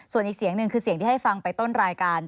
ส่วนอีกเสียงหนึ่งคือเสียงที่ให้ฟังไปต้นรายการ